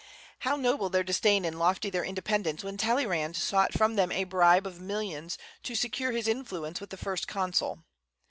How noble their disdain and lofty their independence when Talleyrand sought from them a bribe of millions to secure his influence with the First Consul!